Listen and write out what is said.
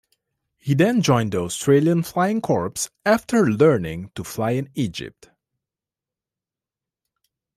He then joined the Australian Flying Corps after learning to fly in Egypt.